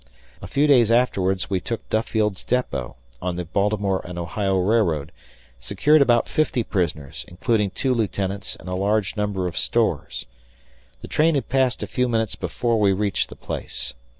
A few days afterwards we took Duffield's Depot, on the Baltimore and Ohio Railroad; secured about 50 prisoners, including 2 lieutenants and a large number of stores. The train had passed a few minutes before we reached the place.